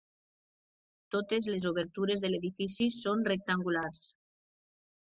Totes les obertures de l'edifici són rectangulars.